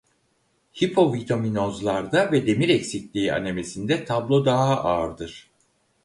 Hipovitaminozlarda ve demir eksikliği anemisinde tablo daha ağırdır.